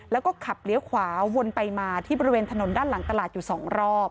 แล้วก็ขับเลี้ยวขวาวนไปมาที่บริเวณถนนด้านหลังตลาดอยู่สองรอบ